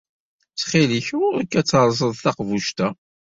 Ttxil-k, ɣur-k ad terẓeḍ taqbuct-a.